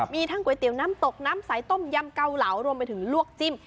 มีทั้งก๋วยเตี๋ยวน้ำตกน้ำใสต้มยำเกาเหลารวมไปถึงลวกจิ้ม